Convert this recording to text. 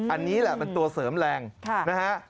อันนี้แหละเป็นตัวเสริมแรงนะฮะ